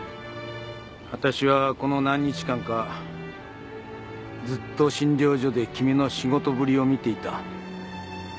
わたしはこの何日間かずっと診療所で君の仕事ぶりを見ていた。